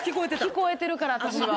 聞こえてるから私は。